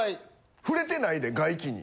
触れてないで外気に。